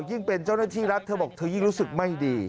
ยิ่งเป็นเจ้าหน้าที่รัฐเธอบอกเธอยิ่งรู้สึกไม่ดี